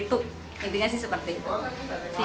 intinya sih seperti itu